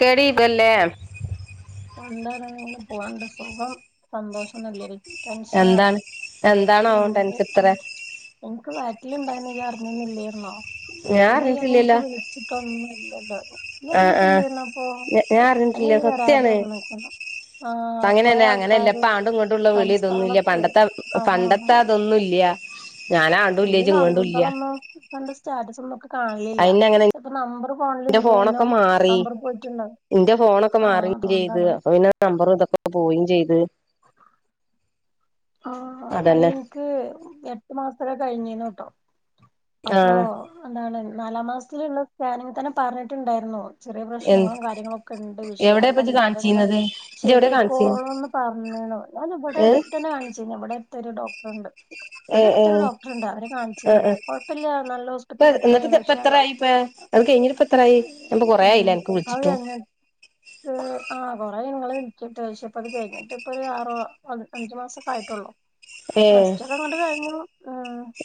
കഴതല സന്താര പോകണ്ട് സുഖം സന്തോഷം തല്ലായിരിക്കും ടെൻഷന ആണ എന്താണ് എന്താണാവോ ടെൻഷൻ ഇത്ര എനിക്ക്റ്റ വീട്ടിലിണ്ടായിന്ന് അറിഞ്ഞുന്നില്ലേെന്നോ ഞാൻ പിന്നെ ന്ന് എനിക്ക് അറിഞ്ഞിട്ടില്ലല്ലോ വിളിച്ചിട്ടൊന്നുംല്ലല്ലോ എല്ലർും ആഹ് ആഹ് കിട്ടില്ലേ എന്നപ്പ ഞ ഞാൻ അന അറിഞ്ഞിട്ടില്ല വേരാ അത സത്യാണ് ഒന്ന് നോക്ക ആഹ കൊറെ അങ്ങനെന്നെ അങ്ങനെയല്ല ആൾക്കാാര് ഇപ്പ ആണ്ടും ഇങ്ങോട്ടുള്ള വിളി ഇതൊന്നുല്ല സ്ഥലത്ത് പണ്ടത്തെ അതാണ് പണ്ടത്തെ അതൊന്നുല്ല ഞാൻ ആണ്ടും ഇല്ല ഈ ഇജ്ജ് ഇങ്ങോട്ടും ഇല്ല നമ്പർ ഒന്ന ക സ്റ്റാറ്റസ് ഒന്നക്ക കാണലില്ല അയിന് അങ്ങനെ ചിലപ്പോ നമ്പർ പോണലില്ലന്നോ നമ്പർ പോയിട്ടുണ്ടോ എന്റെ ഫോണൊക്കെ മാറയും ചെയ്ത് അപ്പൊ ഇെ നമ്പർ ഇതൊക്കെെ പോവയും ചെയ്ത് ആ ആഹ അട അതന്നെ എനിക്ക് എട്ട് മാസല്ല കഴിഞ്ഞന്ന് കേട്ടോ അപ്പൊ ആഹ് എന്താണ് നാലാം മാസത്തിലുള്ള സ്കാനിങ് തന്നെ പറഞ്ഞിട്ടുണ്ടായിരുന്നു ചെറിയ എ പ്രശ്നങ്ങളും കാര്യങ്ങളൊക്കെ ഉണ്ട് വിഷയ എവിടെയാ ഇപ്പ ഇജ്ജ് കണ്ട അതങ്ങനെ കാണിച്ചീന്നത് ഇജ്ജ് എവിടെ കാണിച്ചീ ശരിയയിക്കോളന്ന് പറഞ്ഞഞ് ആണോ ഞാാന ഇവിടെ ഏഹ് അടുത്തന്നെ കാണിച്ചുന്ന ഇവിടെ അടുത്തൊരു ഡോക്ടറ ഉണ്ട് അവിടെ ഏഹ് അടുത്തൊരു ഏഹ് ഡോക്ടർണ്ട് അവര് ആഹ് ആഹ് കാണിച്ചിന്നക്ക് കുഴപ്പില്ല നല്ല ഹോസ്പിറ്റലൊക്കെ തന്നെയാണ് പക്ഷെ എനി കഴിഞ്ഞ ഇപ്പ എത്രായി നൊ കൊറ ആായില്ല എനിക്ക് വിളിച്ചിട്ടു അ ആ് അ നിങ്ങങ്ങള് വിളട്ട് പ ഇപ്പത്ഴിഞ്ഞിട്ട് ഇപ്പൊ ഒരു ആറ അചച് മാസൊക്കെ ആയിട്ടുള്ളൂ പ്രശറ്റ്ൊക്കെ അങ്ങോട്ട് കഴിഞ്ഞു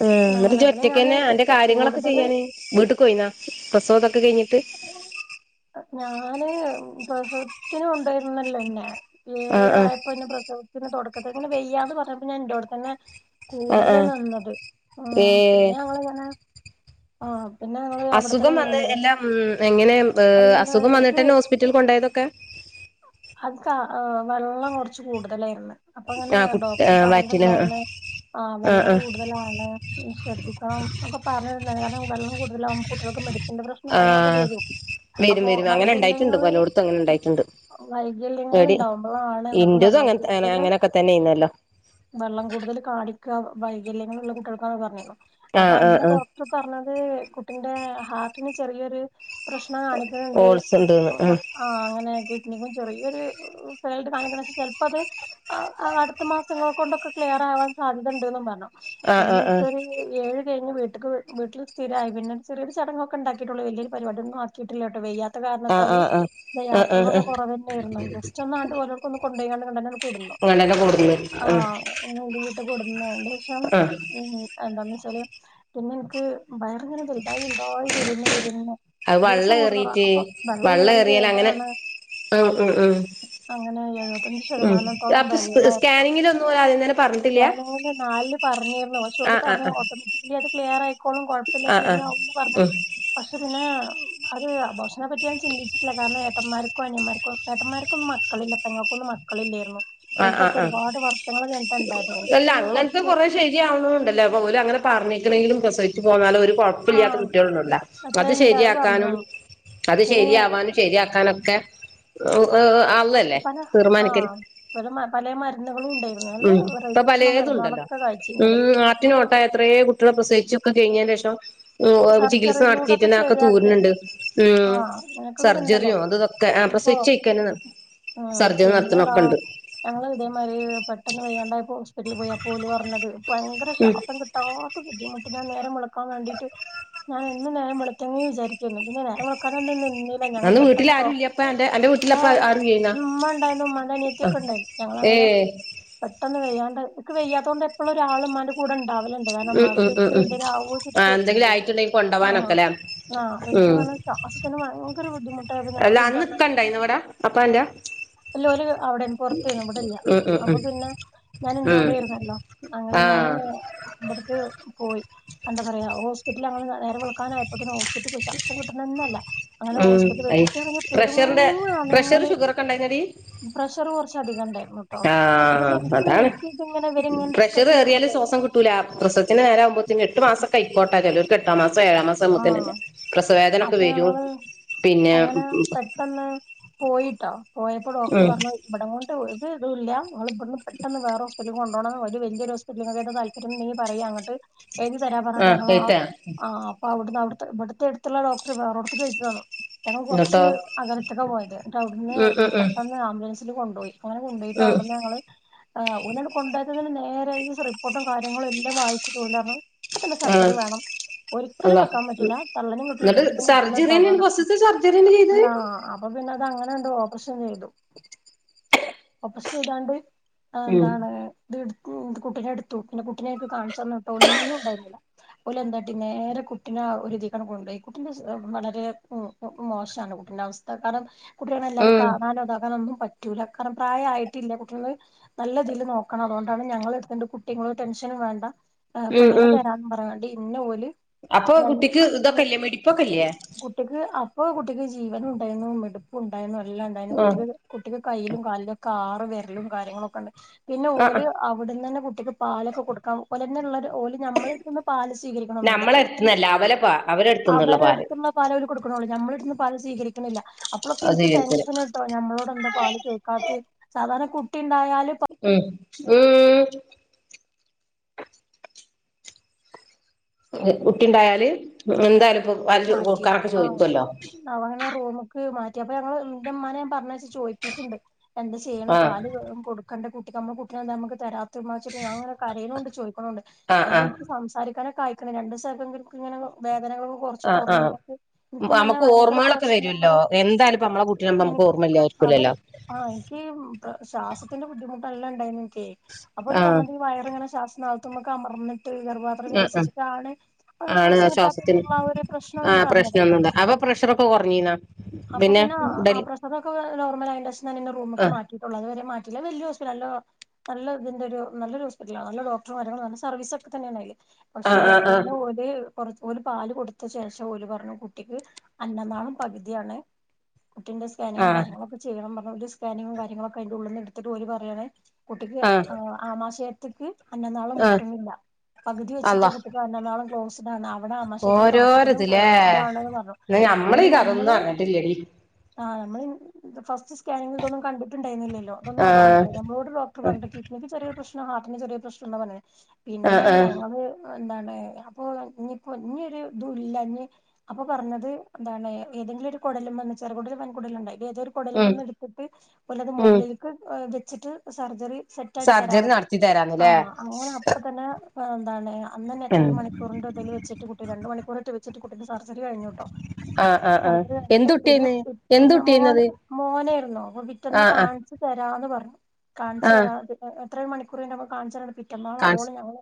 ആ എന്നട്ട് അങ്ങനെ പിന്നെ ഞാന് ജൊറ്റക്കന്നെ അന്റെ കാര്യങ്ങളൊക്കെ കൂടുതല് ചെയ്യാാന് വീട്ടിൽക്ക് പോയിന്നാ പ്രസവദൊക്കെ കഴിഞ്ഞിട്ട് ഞാന് പ്രസവത്തിന് കൊണ്ടുവരുന്നല്ലോന്നെ ഏഴ ആഹ് ആഹ് ആയപ്പോന്നെ പ്രസവ പിന്നെ തുടക്ക ഇങ്ങനെ വെയ്യാ എന്ന് പറഞ്ഞപ്പോ ഞാ എൻന്റെറെവിടെ തന്നെ ആഹ് കൂടുതലും ആഹ് നന്നത് ആ ഏഹ് പിന്നെ ഞങ്ങ എങ്ങനെ ആ പിന്നെ ഞങ്ങള് അവിടെത്തന്നെ അസുഖം വന്ന് നിന്നിരുന്നു പിന്നെ എല്ലാം ഉ എങ്ങനെ അല്ല അസുഖം എനിക്ക് വന്നിട്ട്ന്നെ ഹോസ്പിറ്റലിൽ കൊണ്ടായതൊക്കെ അത്ക്ക വെള്ളം കൊറച്ച് കൂടുതലായിരുന്നു അപ്പൊ അങ്ങനെ ആഹ് കുട്ട് ഡോക്ടർ ആഹ് വയറ്റിന് ആഹ് പറഞ്ഞട്ടുണ്ടാവുന്ന ആഹ ആഹ് വെള്ളം ആഹ് കൂടുതലാണ് ശ്രദ്ധിക്കണം ഒക്കെ പറഞ്ഞ ല്ല വെള്ളംടുല അവൻ കട്ടക്ക മ ആ വരും വരും അങ്ങനെ ഉണ്ടായിട്ടുണ്ട് പലോടത്തും അങ്ങനെ ഉണ്ടായിട്ടുണ്ട് വൈകല്യങ്ങ ഇണ്ടാവുമ്പോള ആണ് നമ്മക്ക് ഇന്റതും വെള്ളം അങ്ങൻ കൂടുതല് അങ്ങനൊക്കെ തന്നെയ്ന്നല്ലോ വെള്ളം കൂടുതൽ കാണിക്ക വൈകല്യങ്ങളുള്ള കുട്ടികൾക്കാണ് പറഞ്ഞത് അപ്പൊ ആഹ് ആഹ് അന്ന് ആഹ് ഡോക്ടർ പറഞ്ഞത് കുട്ടിന്റെ ഹാർട്ടിന് ചെറിയൊരു പ്രശ്നം കാണിക്കുന്നുണ്ട് ഓൾസ് ഇണ്ട്ന്ന് ഉം ആ അങ്ങനെ അധികം ചെറിയൊരു ഫെൽഡ് കാണിക്ക ചിലപ്പോ അത് അടുത്ത മാസങ്ങൾ കൊണ്ടൊക്കെ ക്ലിയർ ആഹ് ന്നെ ആഹ് എന കഴി വീട്ടക്ക് വീട്ടിൽ സ്ഥിരമായി പിന്നെറിയ ചങ്ങങ്ക്കെ ഉണ്ടിയിട്ടുള്ള വലിയൊരുരിപാടിക ആക്കിട്ടിലോട്ട് വെയ്യ ത്തെ ആഹ് കാരണാത്താല് ആഹ് ആഹ് ആഹ് ആഹ് ആഹ് യാത്രകളൊക്കെ ആഹ് കുറവന്നേര്ന്നു ജസ്റ്റ് ഒന്നാണ്ട് ഓലോട്ക്ക് ഒന്ന് കൊണ്ടയിഞ്ഞാഡ് ഇങ്ങണ്ടന്നെ ഇപ്പോലൊക്കെ കൊട്ന്ന് ആഹ്. കൊട്ന്ന് അയിന്റേശം ആഹ് എന്താന്നെച്ചാല് പിന്നെ ഇൻക്ക് വയറിങ്ങനെവെൽ- - വെൽതായി വെൽതായി വെരെന്നെവെരെന്നെ അത് ദിവസം വള്ളം കുടും തോറും ഏറിട്ട് അപ്പൊ വള്ളേറി വരാണ്. ആഹ ഉം ഉം. അങ്ങനെ എഴുവത്തഞ്ച് ഉം ഷതമാനത്തോളം അപ്പൊ വെള്ളേർന്നു സ്കാനിങ്ങിലൊന്നും ഓല് ആദ്യം തന്നെ പറഞ്ഞിട്ടില്ല [unintelligible] പറഞ്ഞിരുന്നു പക്ഷെഓല് ആഹ് ആഹ് പറഞ്ഞുഓട്ടോമാറ്റികിലി അത്- - ക്ലിയറാആയിക്കോളും കുഴപ്പല്ല ആഹ് ആഹ് ശരി ആഹ് ആവുന്ന് പറഞ്ഞു ഉം പക്ഷെ പിന്നെ അത് അബോർഷനെ പറ്റി ഞൻ ചിന്തിച്ചിട്ടില്ല. കാരണം ഏട്ടന്മാർ ർക്കും അനിയന്മാർകു ഏട്ടന്മാർക്കൊന്നും മക്കളില്ല പെങ്ങൾക്കൊന്നും മക്കളില്ലേർന്നു ആഹ് ഓൽക്കൊക്കെ ആഹ് ആഹ് ഒരുപാട് വർഷങ്ങൾ കൈഴ്ങ്ങി അല്ല അങ്ങനത്തെ കൊറേ ശെരിയാവുന്നണ്ടല്ലേ അപോ അങ്ങനെ പറഞ്ഞിക്കണെങ്കിലും പ്രസവിച്ചു പോന്നാലൊ ഒരു കൊഴപ്പില്ലാത്ത ആഹ് കുട്ട്യാള്ണ്ടല്ല അത് അത്രയുണ്ട് ശരി പറഞ്ഞു ആക്കാനും അത് പിന്നെ ശരിയാവാനും ശരിയാക്കാനൊക്കെ ഏ എഹ് അള്ളല്ലേ തീർമാനിക്കല്. പലേ മരുന്നുകളും ഉണ്ടേർന്ന് നല്ല ഉം ഇപ്പൊ റൈറ്റുള്ള പലേതുണ്ടല്ലോ മരുന്നുകളൊക്കെ കാഴ്ചിർന്നത്. ഉം ആട്ടിനോട്ട എത്രയേ കുട്ടികളെ പ്രസവിച്ചൊക്കെ കഴിഞ്ഞേന്റെഷം ഉ ചികിത്സ സർജറിയിലൂടെക്കെ നടത്തിറ്റന്നെ അതൊക്കെ ശരിയാക്കി തൂര്ണ് ണ്ട് ആഹ് സർജറി അങ്ങനെയൊക്കെള്ളത്ണ്ടല്ലോ അതും ഇതും ഒക്കെ. അപ്പൊ പ്രസ്വച്ച്യ്ക്കന്നെ സർജറി നടത്ണൊഒക്കെണ്ട്. ഞങ്ങൾ ഇതേമാരി പെട്ടെന്ന് വയ്യാണ്ടായ പ്പൊ വട്ടിൽ പോയി അപ്പൊ ഓല് പറഞ്ഞത് ഭയങ്കര ഉം ശ്വാസം കിട്ടാത്ത ബുദ്ധിമുട്ട് ഞാൻ നേരം മുളക്കാൻ വേണ്ടീട്ട് ന്ന് നേരം വെള് തങ്ങി വിചാരികേര്നു പിന്നെ നേരംവെള്ക്കാനൊന്നും നിന്നി നിന്നീല ഞങ്ങൾ അന്ന് വീട്ടിൽ പെട്ടെന്ന് ആരും ഇല്ലപ്പ ഡോക്ട അന്റെ അന്റെ ഏ വീട്ടിലപ്പ ആരും ഇല്ലേനാ ഉമ്മ ഉണ്ടായിന്നു ഉമ്ന്റെ ആ അനിയത്യോക്കെ ഉണ്ടാന്നു ഞങ്ങ ള്. ഏ അങ്ങനെ പെട്ടന്ന് വെയ്യാൺഡേ വെയ്യാതോണ്ട് എപ്പളോ ഒരാളുമാന്റെ കൂടെ ഉണ്ടാവലൺ [unintelligible] ഉം ഇമ്മാക് ഉം ഇൻക്കെന്തേലാവോ ചിട്ട് പേട് ച്ചിട്ടൈ. കൊണ്ടോവാനൊക്കലെ. ഉം ഇൻക്ക്ങ്ങനെ ശ്വാസത്തിന് ഭയങ്കര ബുദ്ധിമുട്ടായപ്പൊ അല്ല ഞങ്ങള് അന്ന് എന്റർഞ്ഞ് ക്ക ണ്ടയ്നൊ അന്ന് ഇവിടെ അപ്പൊ അന്റെ? അവിടെ പുറതേന്ന് ഇവടെല്ല ഉം അപ്പൊ ഉം പിന്നെ ഞാന ഉം ഇന്റോടെന്നല്ലോ അങ്ങനെ ആ ഞാന് ഇബട്ക്ക് പോയി. എന്താ പറയാ ഹോസ്പിറ്റിൽ ഞങ്ങള് നേരെളക്കാനായപ്പോതതന്നെപോയി ഹോസ്പിറ്റിൽ സാസം കിട്ട്ണന്നെല്ല. അങ്ങനെ ഉം ഹോസ്പിറ്റ പോയി അയ് കുട്ടിആണഖി പെരും പ്രഷറിന്റെ പ്രഷർ അനങ്ങല് ഷുഗർ ഒക്കെ ഉണ്ടായിനടി പ്രഷർ കുറച്ച് ചതികണ്ടേയ്ന്ട്ടോ ആഹ് [unintelligible] അതാണ് എനക്ക് പിന്നെ ഇവരിങ്ങനെ പ്രഷർ കഏറിയാലും ഡിസ്കസെയ്യുമ്പളേ ശ്വാസം കിട്ടൂല പ്രസത്തിന് നേരാആവുമ്പോെ എട്ട് മാസംക്കെ ആയിക്കോട്ടെ ചേലോല് ഏഴാ മാസ വുമ്പോത്തിനു ആഹ് പ്രസവേദനൊക്കെ അപ്പൊ വരും ഞങ്ങള് പിന്നെ അങ്ങനെ പെട്ടെന്ന് പോയിട്ടോ പോയപ്പോ ഡോക്ടർ ഉം പറഞ്ഞത് ഇവിടങ്ങോണ്ട് ഇല്ല നിങ്ങള് ഇവട്ന്ന് പെട്ടെന്ന് വേറെ ഹോസ്പിറ്റലി കൊണ്ടോണം ഒരു വെല്യേ ഹോസ്പിറ്റൽ ഉണ്ടെങ്കി പറി നിങ്ങക്കെത്താ താല്പര്യംന്ന്ന്നാ പറീ അങ്ങട്ട് എഴിഞ്ഞു തരാ പറഞ്ഞട്ട ആഹ് ഞ എയ്ത്താ ആ് അപ്പൊ അവുട്ന്ന് അവിടു ഇവിടുത്തെ അടുത്തുള്ള ഡോക്ടർ വേറോടുത്ത്ക്ക് എഴുതി തന്നു. ഞങ്ങൾ കുറച്ച് എന്നിട്ടോ അകലത്ക്ക പോയത് ന്ന്ട്ട് ഔട്ന്ന് ഉം ഉം ഉം പെട്ടന്ന് ആംബുലൻസിൽ കൊണ്ടോയി. അങ്ങനെ കൊടോയ്ട്ട് ഉം അവ്ട്ന്ന് ഞങ്ങള് ആഹ് ഓലാണ്ട് കൊണ്ടോയത് നേര റിപ്പോർട്ടും കാര്യങ്ങളും എല്ലാം വായിച്ചിട്ടൂന്ന ഓല് പറഞ്ഞു ഇപ്പ തന്നെ ആഹ് സർജറി വേണം ഒരി അള്ളാ വെക്കാൻ പറ്റില്ല തള്ളനിം കിട്ടൂല എന്നിട്ട് കുട്ടിനിം സർജറി കിട്ടുലട്ടോ തന്നെയാണ് പറഞ്ഞു ഫസ്റ്റ്ത്തെ സർജറി തന്നെ ചെയ്തത് ന്നാ അപ്പൊ പിന്ന അത് അങ്ങനെആണ്ടു ഓപ്പറഷൻ ചെയ്തു ഓപ്പറഷൻ ചെയ്താണ്ട്. ആ ഉം എന്താണ് ഇത് കുട്ടിനെ എടുത്തു പിന്നെ കുട്ടിനെക് കാണിച്ചു തന്ന് ട്ടൊ ഒന്നു ഇണ്ടായിന്നില്ല. ഓല് എന്താട്ടി നേരെ കുട്ടിനെ ഒരുതികാണ്ട് കൊണ്ടോയി കുട്ടി വളരെ മോശമാണ് കുട്ടിന്റെ അവസ്ഥ കാരണം കുട്ടികളെല്ലാരും ഉം കാണാനും ഒതാകാനൊന്നും പറ്റി റ്റുല പ്രായയിട്ടില്ല കുട്ടിനെ ങ്ങള് നല്ല ഇതീല് നോക്കണം അതോണ്ടാണ് ഞങ്ങള ടുണ്ട് കുട്ടി ഇങ്ങൾ ടെൻഷനു വേണ്ട ഉം പെണ്ണിനെ ഉം തരാന്ന് പറഞ്ങ്ങാണ്ട് ഇന്നെ ഓല് അപ്പൊ കുട്ടിക്ക് ഇതൊക്കെല്ലേ [unintelligible] മിടിപ്പൊക്കെല്ലേ കുട്ടിക്ക് അപ്പൊ കുട്ടിക്ക് ജീവനുണ്ടായിന്നു മെടുപ്പുണ്ടായിന്നു എല്ലാണ്ടായിന്നു ആഹ് കുട്ടിക്ക്, കുട്ടിക്ക് കയ്യിലും കാലിലൊ ആറ് വെരലും കാര്യങ്ങളൊക്കെണ്ട് പിന്നെ ആഹ് ഓല് അവ്ടുന്നന്നെ ട്ടിക്ക് പാലൊക്കെ കൊടുക്കാൻ ഓലെന്നെുള്ളൊരു, ഓല് ഞമ്മളിട്ത്ത്ന്ന് പാല് സ്വീകരിക്കണൊന്നുല്ല. നമ്മളെ അടുത്തുന്നല്ല അവലെ പാ അവരെ അടുത്തുന്നുള്ള അവരെ പാല് അടുത്ത്ള്ള പാല് ഓല് കൊടുക്ക്ണൊള്ളൂ ഞമ്മളട്ത്ത് പാല് സ്വീകരിക്കണില്ല, അപ്പോളൊക്കെ അത് ഇർക്ക് ജീവിതത്തില് ടെൻഷൻ ട്ടോ ഞമ്മളോട് എന്താ പാല് ചോയിക്കാത്തെ സാധാർണ കുട്ടി ഇണ്ടായാല് ഉം ഉം. കുട്ടിണ്ടായാല്, എന്തായാലും ഇപ്പൊ പാല് മാറ്റി കൊട്ക്കാൻ ഒക്കെ ആഹ് ചോയിക്കല്ലോ അവനെ റൂമ്ക്ക് മാറ്റി അപ്പൊ ഞങ്ങള് ന്റെ മ്മാനെ ഞാൻ പറഞ്ഞയച്ച് ചോയ്പ്പിക്ക്ണ്ട്, എന്താ ചെയ്യ്ണെ ആഹ് പാല് കൊടു കണ്ട കുട്ടിക്ക് അമ്മളെ കുട്ടിനെന്താ അമ്മക്ക് തെരാ [unintelligible] ഞാങ്ങനെ കരയണൂണ്ട് ചോയിക്കണൂണ്ട്, ആഹ് അയില് ആഹ് ഇൻക്ക് സംസാരിക്കാന കായിക്ക്ണ് രണ്ടൂസം അയപ്പം ഇൻക്കെടക്ക്ങ്ങനെ വേദനക ആ ആ, അമ്മക്ക് ഓർമ്മേളൊക്കെ പ്രശ്നങ്ങള് വരൂല്ലോ എന്താലുപ്പം അമ്മളെ കുട്ടിനെ അമ്മക്ക് ഓർമ്മല്ല്യ അതല്, ആ ഇൻക്കീ ശ്വാസത്തിന്റെ ബുദ്ധിമു നല്ലണ്ടായിനിക്കെ, അപ്പോ ഓല് ആഹ് പറഞ്ഞത് ഈ വയറിങ്ങനെ ശ്വാസനാളത്ത്മ്മെക്കമർ ഗർഭപാത്രം ആഹ് ആഹ് വികസിച്ച്ട്ടാണ് [unintelligible] ശ്വാസം കിട്ടാത്തെന്ന്ള്ള ആ ഒരു പ്രശ്നാണ് ആ ഓല് പറഞ്ഞത് പ്രശ്നൊന്നുല്ല, അപ്പൊ പ്രഷറൊക്കെ കൊറഞ്ഞീന്നാ അപ്പൊ പിന്നെ ആ പ്രെഷർ ഒക്കെ നോർൽലയിണ്ട് ക്ഷേ ഞാനിന്നെ റൂമ്ക്ക് ആഹ് മാറ്റിട്ടുള്ളൂ അത്വരെ മാ വല്ല്യ ഹോസ്പിറ്റലാ നല്ല നല്ല ഇതിന്റെ ഒരു നല്ല ഹോസ്പിറ്റലാ നല്ല ഡോക്ടറും കാര്യങ്ങളും നല്ല സർവീസൊക്കെ തന്നെണ്. ആഹ് പക്ഷെ ആഹ് പിന്നെ ഓര് കൊറ ഓല് പാല് കൊടുത്ത് ശേഷം ഓല് പറഞ്ഞ് കുട്ടിക്ക് അന്നനാളം പകുത്യാണ് കുട്ടിന്റെ സ്കാനിങ്ങും ആഹ് ആഹ് കാര്യങ്ങളൊക്കെ ചെയ്യണം പറഞ്ഞി ഓല് സ്കാനിങ്ങും കാര്യങ്ങളൊക്കെ അയിന്റെ ഉള്ളിന്ന് എട്ത്ത്ട്ട് ഓല് പറയാണേ കുട്ടിക്ക് ആഹ് ആ ആമാശയത്തക്ക് അന്നനാളം ആഹ് മുട്ടണില്ല, പകുതി വച്ചിട്ട് അള്ളാ കുട്ടിന്റെ അന്നനാളം ക്ലോസ്ഡാണ് അവിടെ ആമാശയത്തിന് തൊട ലേ ന്നാ ഞമ്മളീകഥൊന്നും അറഞ്ഞിട്ടില്ലടി. ആ അമ്മൾ ഫസ്റ്റ് സ്കാനിങ്ങ്തൊന്നും കണ്ട് ണ്ടായിന്നില്ലല്ലോ ഇതൊന്നും ആ ആഹ് പറഞ്ഞ്ട്ടില ഞമ്മളോട് ഡോക്ടർ പറഞ്ഞിട്ടെ കിഡ്നിക്ക് ചെറിയൊരു പ്രശ്നം ഹാർട്ടിന് ചെറിയ പ്രശ്നണ്ട്ന്നാ പറഞ്ഞേ ആഹ് പിന്നെ ആഹ് ഞങ്ങള് എന്താണ്, അപ്പൊ ഇനിപ്പോ ഇഞ്ഞൊര് [unintelligible] അപ്പൊ പറഞ്ഞത് എന്താണ് ഏതെങ്കിലും ഒരു കുടലുമെന്ന് ചെറുകുടലും വൻകുടലുണ്ടായി ഏതോ ഒരു ഉം കുടലുമെന്ന് എടുത്തിട്ട് ഓലത് ഉം മുകളിലക്ക് വെച്ചിട്ട് സർജറി സെറ്റ് ആക്കി തെരാ സർജറി പറഞ്ഞ് നടത്തി ആ തരാന്ന്ല്ലേ അങ്ങനെ അപ്പ തന്നെ എന്താണ് അന്നെന്നെ എത്രയോ ആഹ് ഒരു മണിക്കൂറിന്റെ ഇതില് വച്ചിട്ട് കുട്ടി രണ്ട് മണിക്കൂറിട്ട് വെച്ചിട്ട് കുട്ടിന്റെ സർജറി കഴിഞ്ഞൂട്ടോ. ആഹ് ആഹ് സർജറി കഴിഞ്ഞിട്ട് പിന്നെ എന്തുട്ടിയേന്ന് പിറ്റന്ന് മോന്, എന്തുട്ടിയേന്നത് മോനേരുന്നൂ അപ്പൊ പിറ്റന്ന് ആഹ് ആഹ് കാണിച്ചു തര വരാന്ന് പറഞ്ഞു, ആഹ് കാണിച്ചരാം എത്രയോ മണിക്കൂർ കെെഞ്ഞിട്ട് അമ്മക്ക് കാണിച്ചരാന്ന് പിറ്റന്നാൾ കാൺസ് അവോളം ഞങ്ങള്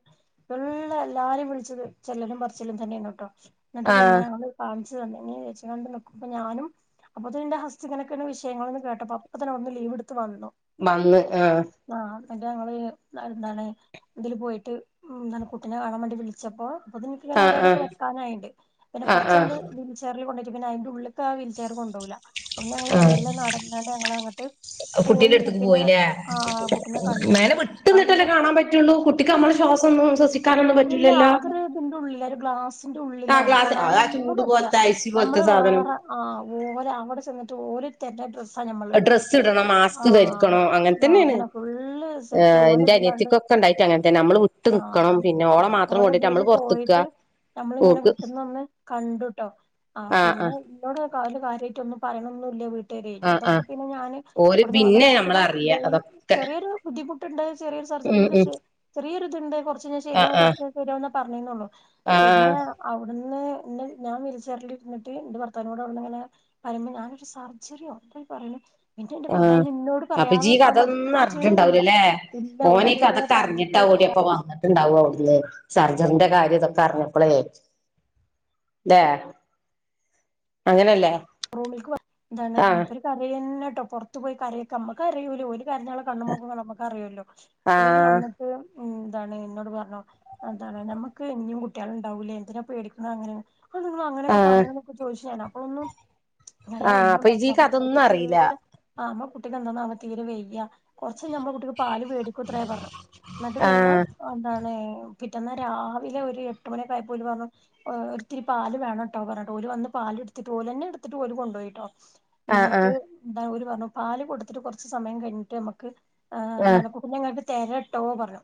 ഇള്ള എല്ലാരേം വിളിച്ച് ചെല്ലലും പറച്ചിലും തന്നേനുട്ടോ ന്നിട്ട് പിന്നെ ആഹ് ഞങ്ങള് [unintelligible] നിക്കുമ്പാ ഞാനും അപ്പൊത്തീനുന്റെ ഹസ് ഇങ്ങനക്കാണ് വിഷയങ്ങൾന്ന് കേട്ടപ്പോ അപ്പോ തന്ന അവട്ന്ന് ലീവ് എടു വന്നോ വന്ന് ആഹ് ആ. പിന്ന ഞങ്ങള് വേറെന്താണ് ഇതില് പോയിട്ട് ന്താണ് കുട്ടിനെ കാണാൻ വാണ്ടി വിളിച്ചപ്പോ ആഹ് ആഹ് ആഹ് ആഹ് [unintelligible] പിന്നെ അയിന്റെ ഉള്ള്ക്ക് ആ വീൽചെയർ കൊണ്ടോവൂല ഒന്ന് ഞങ്ങള് മെല്ലെ നടന്നാണ്ട് ഞങ്ങളങ്ങട്ട് കുട്ടിന്റെ പോയി അടുത്ത്ക്ക് കുട്ടിനെ പോയിലേ? ആഹ് കുട്ടിനെ കണ്ടു മേലെ വിട്ടുന്നിട്ടല്ലേ കണ്ടപ്പോ കാണാൻ പറ്റുള്ളൂ കുട്ടിക്കമ്മളെ ശ്വാസം ന്നും സൊസിക്കാനൊന്നും ഇല്ല പറ്റൂല്ലല്ലോ? അതൊരു ഇതിന്റെ ഉള്ളിലാ [unintelligible] ഉള്ളിലാണ് തൊടാനൊന്നും ചൂട് പറ്റ്ല്ല പോലത്തെ ഐസി പോലത്തെ ഞമ്മള് സാധനം വേറെ ആ റൂമിലാ, അങ്ങട്ട് ചെന്നിട്ട് ഓല് തെർന സാ ഞമ്മളിടാ ഡ്രസ്സ് ഇടണം മാസ്ക് ധരിക്കണം ആഹ് തന്നെയാണ് അങ്ങനെ ഫുള്ള് സെറ്റ് ഓലെ ഇതിലാണ്ട് ക്ക് ണ്ടായിട്ട് അങ്ങനെത്തന്നെ അമ്മള് വിട്ട് നിക്കണം ആഹ് പിന്നെ ഓളെ മാത്രം ഓലെ കൊണ്ടീട്ട് അമ്മള് ഇതില് പൊറത്തിക്കാ പോയിട്ട് നമ്മളിങ്ങനെ വിട്ട് നിന്നൊന്ന് കണ്ടുട്ടോ ആഹ് പിന്നെ ഇന്നോട് വല്യ കാര്യയിട്ടൊന്നും പറയണൊന്നുല്ല്യ വി [unintelligible] ആഹ് ഇതൊക്കെ ആഹ് പിന്നെ ഞാന് ഓര് അവടുന്ന് പിന്നെ വന്ന്ട്ട് നമ്മളറിയ [unintelligible] അതൊക്കെ ചെറിയൊരു ബുദ്ധിമുട്ട്ണ്ട് ചെറിയൊരു ഉം ഉം [unintelligible] ചെറിയൊരിത്ണ്ട് കൊർച്ചയിഞ്ഞ ആഹ് ശെരിയാവും കൊറച്ച് ആഹ് കഴിഞ്ഞാ ശെരിയാവും ന്നാ പറഞ്ഞെന്ന് തോന്നണു പിന്നെ ആഹ് അവ്ട് ന്ന് ന്നെ ഞാൻ വീൽചെയറിൽ ഇരുന്ന്ട്ട് ന്റെ ഭർത്താവിനോട് അവ്ട്ന്ന്ങ്ങനെ [unintelligible] സർജറിയോ? പറയണ് പിന്നെ എന്റെ ആഹ് ഭർത്താവിന് ഇന്നോട് അപ്പൊ പറയാതെ ഇജ് ഈ നിക്കാൻ കഥൊന്നും പറ്റ്ണില്ല അറിഞ്ഞിട്ടുണ്ടാവൂലല്ലേ ഇല്ല ഓലതുവരെ പറഞ്ഞിട്ട് കൂടിയപ്പം വന്നിട്ടുണ്ടാവു അവ്ട്ന്ന് സർജറിന്റെ കാര്യം തൊക്കെ അറിഞ്ഞപ്പളേ ല്ലേ അങ്ങനല്ലേ? റൂമിൽക്ക് വ എന്താണ് ആഹ് മ്മൂപര്ക്കരയന്നെട്ടോ പൊറത്തു പോയി കാരയോക്കെ നമ്മക്കറിയൂല ഓല് കര്ഞ്ഞാളെ കണ്ണും മോഗൊക മ്മക്കറിയുല്ലോ പിന്നെ ആഹ് വന്ന്ട്ട്. ഉം താണ് എന്നോട് പറഞ്ഞു അതാണ് ഞമ്മക്ക് ഇന്യും കുട്ട്യാള് ണ്ടാവൂലേ എന്തിനാ പേടിക്ക്ണ് അങ്ങനെ. അന്താനിങ്ങളങ്ങാനക്കെ ആഹ് പറേണ്ന്നൊക്കെ ചോയ്ച്ച് ഞാന് അപ്പോന്നും. അല്ല ആഹ് അപ്പൊ ഒന്നുംണ്ടായി ഇജ് ഈ അമ്മ കുട്ടിക്ക് കഥൊന്നും അറിയില്ല തീരെ ആഹ് അമ്മ കുട്ടിക്ക് എന്താന്ന തീരെ വയ്യ കൊർ ച്ച് ഞമ്മ കുട്ടിക്ക് പാല് വേടിക്കുത്രെ പറഞ്ഞു ന്നിട്ട് പിന്നെ ആഹ് എന്താണ്. പിറ്റന്നാ രാവിലെ ഒരു എട്ട് മണിക്കായപ്പോ ഓല് പർഞ്ഞു ഓ ഒരിത്തിരി പാല് വേണംട്ടോ പറഞ്ട്ട് ഓല് വന്ന് പ ല്ട്ത്ത്ട്ട് ഓലെന്നെട്ത്ത്ട്ട് ഓല് കൊണ്ടോയിട്ടോ ആഹ് ന്നിട്ട് ആഹ് ന്താ പറഞ്ഞു പാല് കൊടുത്തിട്ട് കൊറച്ച് സമയം കയിഞ്ഞിട്ട് മ്മക്ക് ഏ ആഹ് ന്താണ് കു [unintelligible] ങ്ങക്ക് തരട്ടോ പറഞ്ഞു.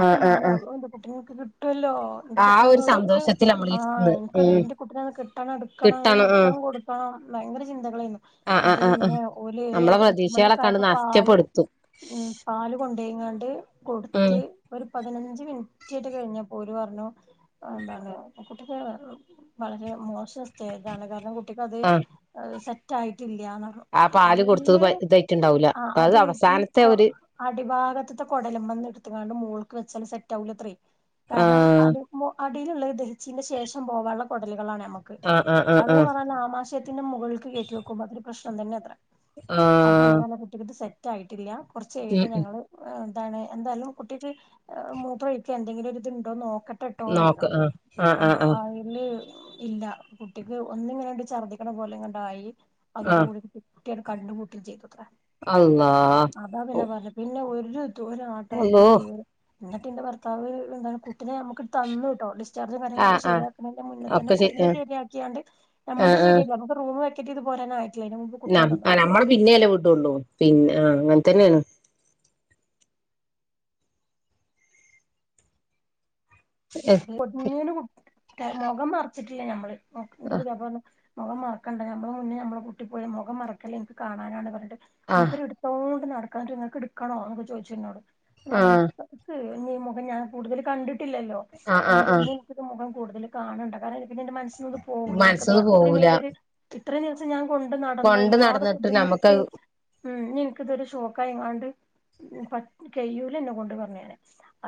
അപ്പൊ ആഹ് ഞാൻ ആഹ് അള്ളോ ന്റെ കുട്ടിനെൻക്ക് ക് കിട്ടല്ലോ ന്റെ ആ ഒരു കുട്ടിനെ [unintelligible] സന്തോഷത്തിൽ നമ്മൾ ഇരിക്കുന്നത് എനിക്കൊരു ഉം ന്റെ കുട്ടിനെ കിട്ടണം ഇടുക്കണം ഒര് കിട്ടണം ഉം മുത്തം കൊട്ക്കണം ഭയങ്കര ചിന്തകളാരുന്നു ആഹ് ആഹ് ന്നിട്ട് ആഹ് പിന്നെ ആഹ് ഓല് ഒര് നമ്മളെ എട്ട് മണിയൊക്കെ പ്രതീക്ഷകളൊക്കെണ്ട് ആയപ്പോ പാല്. നഷ്ടപ്പെടുത്തും ഉം പാല് കൊണ്ടയിങാണ്ട് ഉം കൊടുത്ത് ഒര് പതിനഞ്ച് മിനിറ്റ്റ്റെ കഴിഞ്ഞപ്പോര് പറഞ്ഞു അ ന്താണ് കുട്ടിപ്പോ വളരെ. മോശം സ്റ്റേജാണ് കാര്ണം കുട്ടിക്കത് ആഹ് സെറ്റായി റ്റില്ലന്നർന്നു ആ പാല് അയില്. കൊടുത്തത് ഇതായിട്ടുണ്ടാവൂല ആഹ് അത് ഈ അവസാനത്തെ കൊ ഒരു അടിഭാഗത്ത്ത്തെ കൊടലുമെന്ന് ഇട്ത്ത്ങ്ങാണ്ട് മു മൊൾക് വെച്ചാൽ സെറ്റാവൂലത്രെ കാർണം ആ ആഹ് [unintelligible] ടിലുള്ളത് ദഹിച്ചിന്റെ ശേഷം പോവാള്ള കൊടലുകളാണെ. ആഹ് ആഹ് ആഹ് ആഹ്. മശയത്തിന്റെ മുകൾക്ക് കേറ്റിവെക്കുമ്പോ അതൊരു പ്രശ്നം തന്നെത്രെ. ആഹ്.... റ്റായിട്ടില്ല ഉം കൊറച്ചയ്യട്ടെ ഉം ഞങ്ങള് ന്താണ് എന്താലും കുട്ടിക്ക് ഹ്‌ മൂത്രയിക്കെ എന്തെങ്കിലും ഒര്ത്ണ്ടോന്ന് ന്നൊ ക്കട്ടട്ടോ പറഞ്ഞു ആഹ് അയില് മ് ഇല്ല കുട്ടിക്ക്. ഒന്നിങ്ങനണ്ട് ഛർദിക്ക്ണ പോലെങ്ങണ്ടായി ആഹ് അതോടുകൂടിക് കുട്ടിടെ കണ്ണ് പൂട്ടും ചെയ്തു. ഹ അള്ളാ അതാ പിന്നെ പർഞ്ഞെ പിന്നെ ഒരു ദൂരം ആട്ടുഅൻക്കു അള്ളോ ഇല്ലേര് ന്നിട്ട്ന്റെ ഭർത്താവ് ന്താണ് കുട്ടിനെ മ്മക്ക് തന്ന്ട്ടൊ ഡിസ് ർജ് കാര്യങ്ങളൊക്കെ ആഹ് ആഹ് ശെരിയാക്ക്ണിന്റെ മുന്നെ തന്നെ ഒക്കെ ശരി കുട്ടിന്റെ ആഹ് ശരിയാക്ക്യാണ്ട് നമ്മൾത് ആഹ് ശരിയാ അപ്പ. [unintelligible] [unintelligible] വെക്കേറ്റെയ്ത് പോരാനായി നം അഹ് നമ്മള പിന്നെല്ലെ വിടൊള്ളു. പിന്നെ ആഹ് അങ്ങൻത്തന്നേണ്. [unintelligible] മൊകം മർച്ച്ട്ട്ല്ല്യ ഞമ്മള് ഹ്‌ ന്റെ ആഹ് പുത്യപ്ളർഞ് മൊകം മറക്കണ്ട മ്മളെ മുന്നേ അമ്മളെ കുട്ടി പോയി മൊകം മർക്കല്ലേ ൻക്ക് കാണാനാണ് പർഞ്. ട്ട് ആഹ് മൂപ്പര് ഇട്ത്തോണ്ട് നടക്കാണ്ട് ങ്ങക്ക് ഇട്ക്കണോ ന്നൊക്കെ ചോയ്ച്ച്ന്നോട്‌ ആഹ് [unintelligible] ഇനി ഈ മുഖം ഞാൻ കൂടുതൽ കണ്ടിട്ടില്ലല്ലോ ആഹ് ആഹ് ആണ്ട് ആഹ് ഇഞ്ൻക്ക്ത് മുഖം കൂടുതൽ കാണണ്ട കാര് പിന്നെന്റെ മനസ്സിന്ന്ത് പോവൂലെ മനസ്സന്ന് ൻക്കതത്രി പോവൂല വല്യോര് ഇത്രേം ദിവസം ഞാ കൊണ്ട് നടന്ന് കൊണ്ട് ഒരുപാട് നടന്നിട്ട് ബുദ്ധിമുട്ടി. നമ്മുക്കത് മ് ഞ്ഞ്ന്ക്ക്തൊര് ഷോക്കയിങ്ങാണ്ട് പറ്റ് കയ്യൂലന്നെകൊണ്ട് പറഞ്ഞെനെ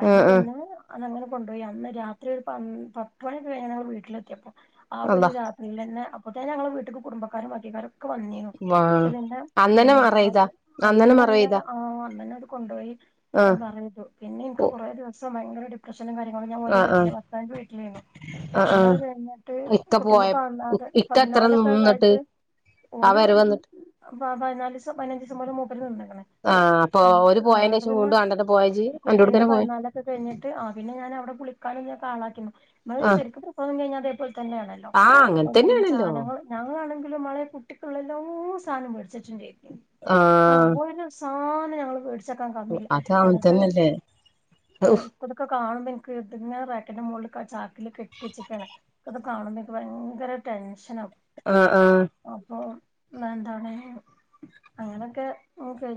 അയിന് ആഹ് ആഹ് പിന്നെ അതങ്ങനെ. പോയ്‌ അന്ന് രാത്രി ഒരു പൻ പത്ത്മണിക്കെ കഴിഞ്ഞേ ഞ [unintelligible] വീട്ടിലെത്തിയപ്പോ ആ ഒരു അള്ളാ രാത്രിലന്നെ അപ് ങ്ങോട്ടെന്നേ ഞങ്ങളെ വീട്ട്ക്ക് കുട്മ്പക്കാരും ബാക്കിക്കാരൊക്കെ വന്നീനു. വാ ന്ന്ട്ട് പിന്നെ ഉം അന്നനെ അൻ മറെയ്താ അന്നനെ അന്നന്നെ മറവെയ്താ ആഹ് അന്നന്നവര് കൊണ്ടോയി. ആഹ് പറയതു പിന്നെനിക്ക് കൊറേ ദിവസം ഭയങ്കര ഡിപ്രഷനും കാര്യ ഓ ഞൻ ഓന്റെ ആഹ് വീട്ടില് ആഹ് ഭത്താവ് ന്റെ വിട്ടിലരുന്നു ആഹ് പിന്നെ ആഹ് അത് കഴിഞ്ഞിട്ട് ഇക്ക കുട്ടീന്റെ പോയ പത് ഇക്ക എത്ര പതിനാലൊക്കെ നിന്നിട്ട് കായിട്ട് ആ ഒന് വരവ് വന്നിട്ട് [unintelligible] പതിനാല്സം പതിനഞ്ച്സം പറ്ഞ് മൂപ്പര് നിന്നെക്കണെ ആഹ് അപ്പൊ ഒര് പോയന്റെഷം വണ്ട കണ്ടന്നെ പോയജ കുട്ടിന്റെ എ്റെൂടെത്തന്നെ പോയ ടെ കുളിക്കാനും ഞകാളാക്കിന്നു നമ്മള് ശരിക്കും പ്രസവം കഴിഞ്ഞതേപോലെ തന്നെയാണല്ലോ ആഹ് അങ്ങൻ [unintelligible] തന്നേണല്ലോ സാധനങ്ങള് ഞങ്ങളാണെങ്കി [unintelligible] കുട്ടിക്കൊളെല്ലാ സാനം മെടിച്ചേച്ചേണ്ടരിക്ക ആഹ് ഒര് സ [unintelligible] ടിച്ചാ ക അത് അങ്ങൻ എന്നി്ട്ട് തന്നല്ലേ ഔഫ് [unintelligible] റാക്കറ്റന്റെ മുകളിൽ ചാക്കിൽ കെട്ടിച്ചക്ക അത് കാണുമ്പോക്ക് ഭയങ്കര ടെൻഷൻ ആകും ആഹ് ആഹ് വന്തവണ അങ്ങനെയൊക്കെ